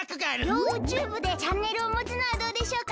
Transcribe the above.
ヨウＴＵＢＥでチャンネルをもつのはどうでしょうか？